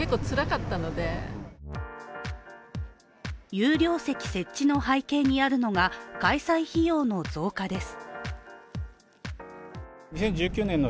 有料席設置の背景にあるのが開催費用の増加です。